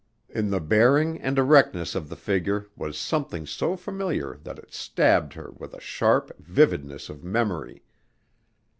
In the bearing and erectness of the figure was something so familiar that it stabbed her with a sharp vividness of memory.